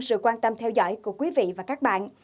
sự quan tâm theo dõi của quý vị và các bạn